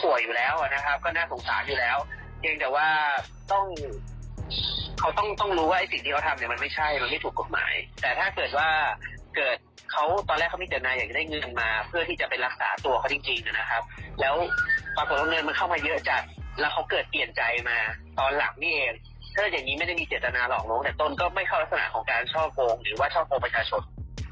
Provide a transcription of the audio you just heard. แต่ต้นก็ไม่เข้ารักษณะของการช่อโกงหรือว่าช่อโกงประชาชน